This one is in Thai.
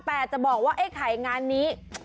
แต่จะบอกว่าไอ้ไข่งานนี้